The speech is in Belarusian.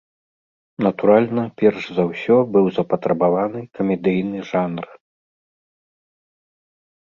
Натуральна, перш за ўсё быў запатрабаваны камедыйны жанр.